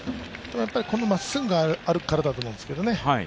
このまっすぐがあるからだと思うんですけどね。